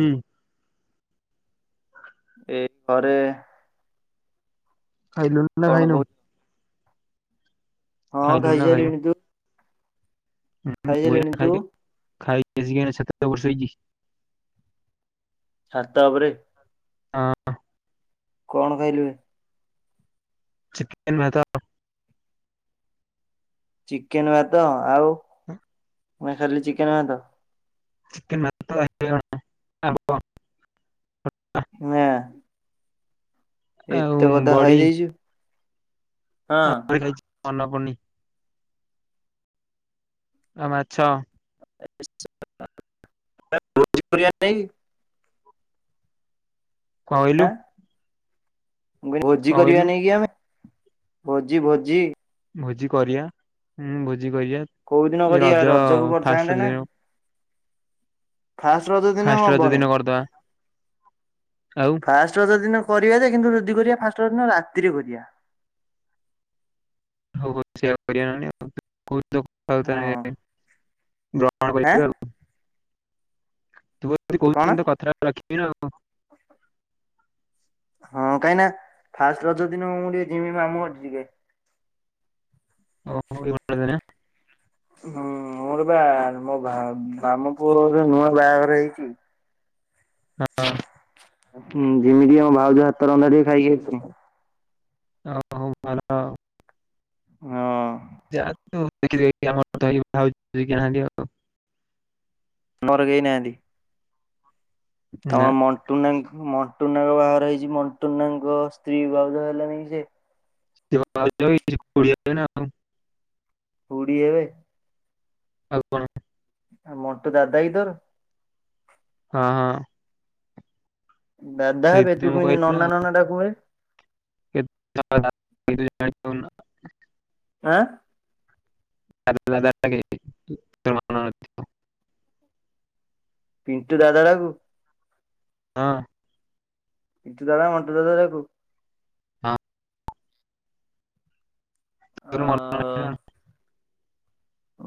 ହୁଁ। ଏ ଘରେ ଖାଇଲୁଣୀ ନା କଣ ଖାଇନୁ? କହୁଛୁ? ହଁ ଖାଇଲୁଣି ନା ଖାଇନୁ? ଖାଇସାଇଲିଣି। ତୁ? ମୁଁ ଏଇନା ଖାଇସାରିଲିଣି ତୁ? ଖାଇକି, ଖାଇକି ଆସିକି ଏଇନା ଛାତ ଉପରେ ଶୋଇଚି। ଛାତ ଉପରେ? ହଁ। କଣ ଖାଇଲୁ ବେ? ଚିକେନ ଭାତ। ଚିକେନ ଭାତ ଆଉ ଏ। ମାନେ ଖାଲି ଚିକେନ ଭାତ? [unintelligible] ନା। ଆଉ ଏତେ କଥା ଖାଇ ଦେଇଚୁ। ଆହୁରି ଖାଇଚି ମନେପଡୁନି। ଆଉ ମାଛ। [unintelligible] ଭୋଜି କରିବା ନାହିଁକି? କଣ କହିଲୁ? ଆଁ ମୁଁ କହିଲି ଭୋଜି କଣ କରିବା କହିଲୁ ନେଇକି ଆମେ, ଭୋଜି ଭୋଜି? ଭୋଜି କରିବା ହୁଁ ଭୋଜି କରିବା। କୋଉ ଦିନ ଏ କରିବା ରଜ ରଜକୁ କରିଥାନ୍ତେ ଫାଷ୍ଟ ନା ରଜ ଦିନ। ଫାଷ୍ଟ ରଜ ଦିନ ଫାଷ୍ଟ ରଜ ହବନି। ଦିନ କରିଦବା ଆଉ ଫାଷ୍ଟ ରଜ ଦିନ କରିବା ଯେ କିନ୍ତୁ ଯଦି କରିବା ଫାଷ୍ଟ ରଜ ଦିନ ରାତିରେ କରିବା। [unintelligible] ତୁ ଯଦି ହଁ ଆଁ କଣ? କହୁଚୁ ତ କଥା ଟା ରଖିବି ନା ଆଉ। ହଁ କାହିଁକି ନା, ଫାଷ୍ଟ ରଜ ଦିନ ମୁଁ ଟିକେ ଯିମି ମାମୁଁ ଘରଟି ଟିକେ। [unintelligible] ହୁଁ ମୋର ବା ମୋ ବା ମାମୁଁ ପୁଅ ନୂଆ ବାହାଘର ହେଇଚି। ହଁ। ହୁଁ ଯିମି ଟିକେ ମୋ ଭାଉଜ ହାତ ରନ୍ଧାର ଟିକେ ଖାଇକି ଆସିବି। [unintelligible] ହଁ। ଯା ତୁ [unintelligible] [unintelligible] କେହି ନାହାନ୍ତି। ନା [unintelligible] ମଣ୍ଟୁନା ମଣ୍ଟୁନାଙ୍କ ବାହାଘର ହେଇଚି, ମଣ୍ଟୁନାଙ୍କ ସ୍ତ୍ରୀ ଭାଉଜ ହେଲାନି କି ସିଏ। [unintelligible] ଖୁଡୀ ହେବେ। ଆଉ କଣ? ଆଉ ମଣ୍ଟୁ ଦାଦା କି ତୋର? ହଁ ହଁ। ଦାଦା ହେବେ ସେଇଥିପାଇଁ ତୁ ମୁଁ କେମତି କହିଲି ନା ଆଉ। ନନା ନନା ଡାକୁବେ? [unintelligible] ଆଁ? [unintelligible] ପିଣ୍ଟୁ ଦାଦା ଡ଼ାକୁ। ହଁ। ପିଣ୍ଟୁ ଦାଦା, ମଣ୍ଟୁ ଦାଦା ଯାକୁ। ଅ ତୋର ମ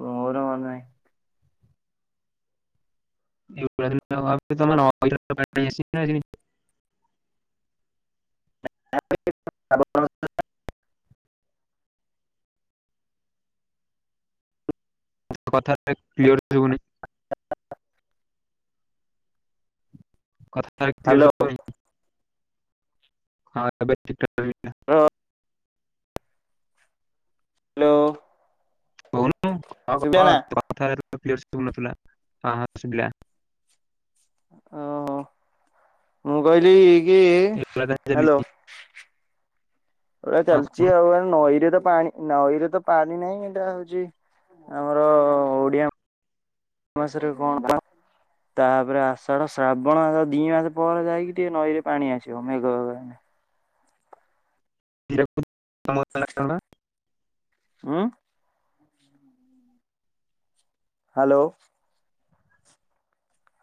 ମୋର ମନେ ନାଇଁ। ଏଗୁଡା [unintelligible] [inaudible] କଥାଟା କ୍ଲିୟର ଶୁଭୁନି। ଆ ଟା। କଥା କ୍ଲିୟର ହ୍ୟାଲୋ ଶୁଭୁନି ହଁ ଏବେ ଠିକ ଠାକ ଶୁଭିଲା। ର ହାଲୋ। କହୁନୁ କହ କହ ନା? ତୋ କଥା [unintelligible] କ୍ଲିୟର ଶୁଭୁ ନଥିଲା ହଁ ହଁ ଶୁଭିଲା। ଓହୋ ମୁଁ କହିଲି କି ଏଇଭଳିଆ ତାହେଲେ ହାଲୋ। ଚାଲିଛି। ଏ [unintelligible] ହଁ କୁହନ୍ତୁ। ଚାଲିଚି ଆଉ ନଈରେ ତ ପାଣି। ନଈରେ ତ ପାଣି ନାହିଁ ଏଇଟା ହଉଛି ଆମର ଓଡିଆ। ନସ ରେ କଣ [unintelligible] ତାପରେ ଆଷାଢ ଶ୍ରାବଣ ମାସ ଦି ମାସ ପରେ ଯାଇକି ଟିକେ ନଈରେ ପାଣି ଆସିବ ମେଘ ହୀରାକୁ [inaudible] ହୁଁ। ହୁଁ ହୁଁ। ହାଲୋ।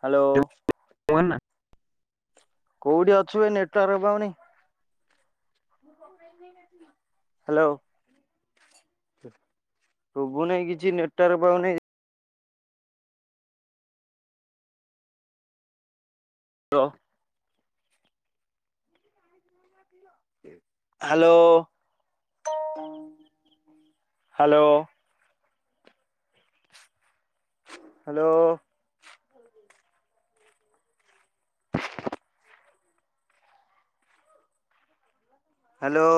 ହାଲୋ। କୁହ ନା। କୋଉଠି ଅଛୁ ଏ ନେଟୱାର୍କ ପାଉନି? [inaudible] ହାଲୋ। ସୁଭୁ ନାଇ କିଛି ନେଟୱାର୍କ ପାଉନି ଲ ହାଲୋ ହାଲୋ। ହାଲୋ। ହାଲୋ।